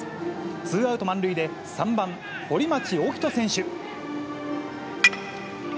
ツーアウト満塁で３番堀町沖永選手。